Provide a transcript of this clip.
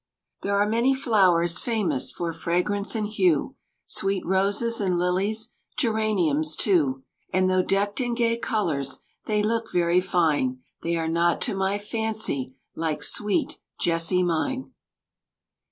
There are many flowers famous for fragrance and hue, Sweet Roses and Lilies, Geraniums too; And though decked in gay colors they look very fine, They are not to my fancy like sweet Jessie mine.